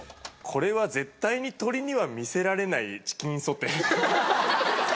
これは、絶対に鳥には見せられないチキンソテー。